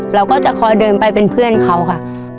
เราก็จะคอยเดินไปเป็นเพื่อนเขาค่ะ